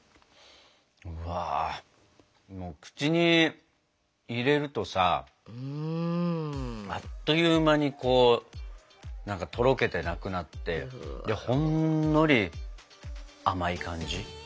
うわ口に入れるとさあっという間にとろけてなくなってほんのり甘い感じ。